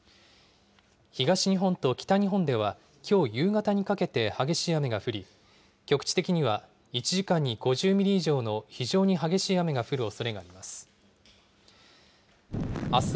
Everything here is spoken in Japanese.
東日本と北日本では、きょう夕方にかけて激しい雨が降り、局地的には、１時間に５０ミリ以上の非常に激しい雨が降るおそれがあります。